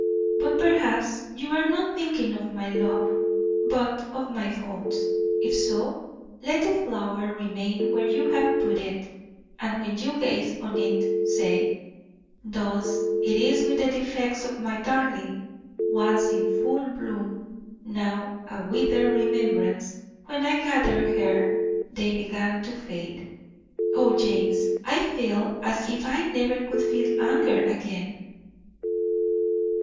But perhaps you are not thinking of my love, but of my faults. If so, let the flower remain where you have put it; and when you gaze on it say, "Thus is it with the defects of my darling; once in full bloom, now a withered remembrance. When I gathered her they began to fade." O James, I feel as if I never could feel anger again.